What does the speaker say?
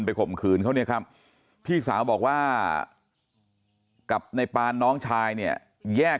ข่มขืนเขาเนี่ยครับพี่สาวบอกว่ากับในปานน้องชายเนี่ยแยก